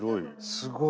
すごい。